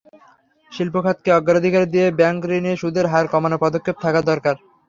শিল্প খাতকে অগ্রাধিকার দিয়ে ব্যাংকঋণে সুদের হার কমানোর পদক্ষেপ থাকা দরকার।